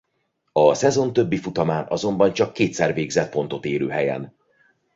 A szezon többi futamán azonban csak kétszer végzett pontot érő helyen.